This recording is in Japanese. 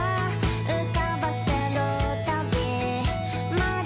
「浮かばせるたびまだ」